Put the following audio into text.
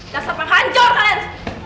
dasar penghancur kalian